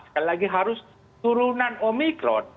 sekali lagi harus turunan omikron